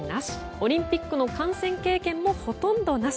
オリンピックの観戦経験もほとんどなし。